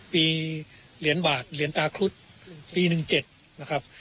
เหรียญบาทเหรียญตาครุฑปี๑๗นะครับ